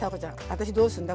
私どうすんだ？